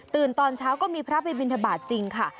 ตอนเช้าก็มีพระไปบินทบาทจริงค่ะ